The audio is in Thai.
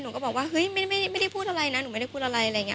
ก็บอกว่าเฮ้ยไม่ได้พูดอะไรนะหนูไม่ได้พูดอะไรอะไรอย่างนี้